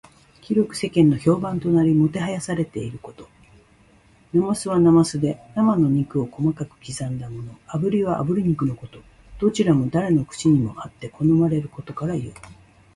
広く世間の評判となり、もてはやされていること。「膾」はなますで、生の肉を細かく刻んだもの。「炙」はあぶり肉のこと。どちらも誰の口にもあって好まれることからいう。